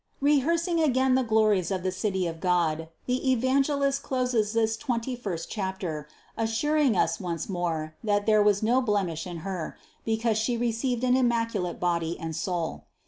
Rehearsing again the glories of the City of God, the Evangelist closes this twenty first chapter, assuring us once more, that there was no blemish in Her, because She received an immaculate body and soul.